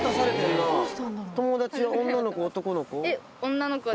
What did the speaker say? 女の子で？